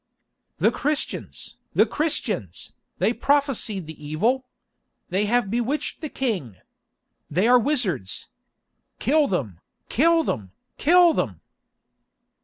"The Christians! The Christians! They prophesied the evil. They have bewitched the king. They are wizards. Kill them, kill them, kill them!"